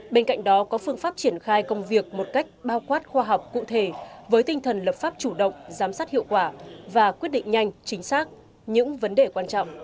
bên cạnh đó có phương pháp triển khai công việc một cách bao quát khoa học cụ thể với tinh thần lập pháp chủ động giám sát hiệu quả và quyết định nhanh chính xác những vấn đề quan trọng